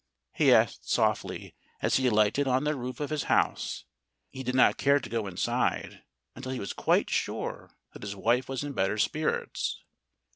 he asked softly, as he alighted on the roof of his house. He did not care to go inside until he was quite sure that his wife was in better spirits.